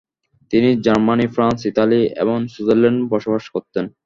তিনি Germany, France, Italy এবং সুইজারল্যান্ডে বসবাস করতেন।